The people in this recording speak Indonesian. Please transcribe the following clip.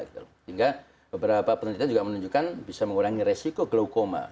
sehingga beberapa penelitian juga menunjukkan bisa mengurangi resiko glukoma